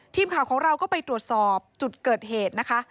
ทีมข่าวของเราก็ไปตรวจสอบจุดเกิดเหตุนะคะ